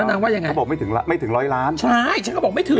นางว่ายังไงเขาบอกไม่ถึงไม่ถึงร้อยล้านใช่ฉันก็บอกไม่ถึง